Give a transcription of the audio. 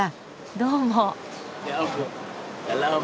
どうも。